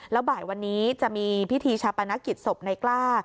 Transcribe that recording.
แล้วบ่ายวันนี้จะมีพิธีชาปนกิจศพในกล้า